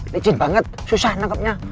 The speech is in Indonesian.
lecet banget susah nangkepnya